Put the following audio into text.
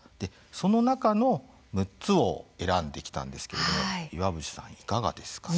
その中の６つを選んできたんですけれども岩渕さん、いかがですか？